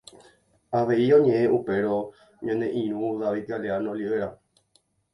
Avei oñeʼẽ upérõ ñane irũ David Galeano Olivera.